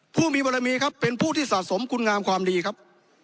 ผู้มีบารมีครับเป็นผู้ที่สะสมคุณงามความดีครับ